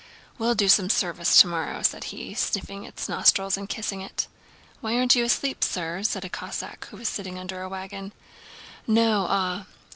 We'll do some service tomorrow," said he, sniffing its nostrils and kissing it. "Why aren't you asleep, sir?" said a Cossack who was sitting under a wagon. "No, ah...